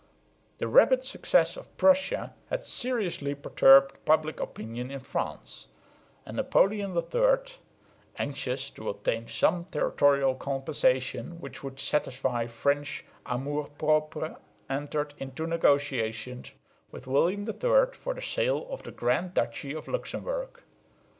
The rapid success of Prussia had seriously perturbed public opinion in France; and Napoleon III, anxious to obtain some territorial compensation which would satisfy French amour propre, entered into negotiations with William III for the sale of the Grand Duchy of Luxemburg.